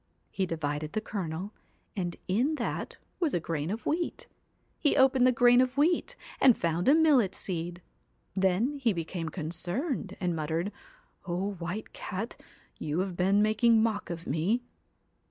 He divided the kernel, and in that was a grain of wheat. He opened the grain of wheat, and found a millet seed. Then he be came concerned, and muttered :' O White Cat, you have been making mock of me